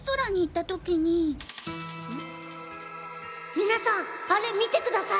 みなさんあれ見てください。